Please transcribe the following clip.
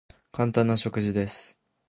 簡単な食事です。